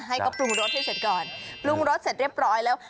ให้ก็ปรุงรสให้เสร็จก่อนปรุงรสเสร็จเรียบร้อยแล้ว